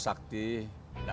tidak mau pulang